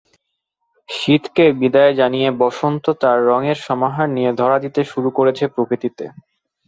শীতকে বিদায় জানিয়ে বসন্ত তার রঙের সমাহার নিয়ে ধরা দিতে শুরু করেছে প্রকৃতিতে।